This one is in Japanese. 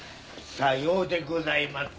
さようでございます。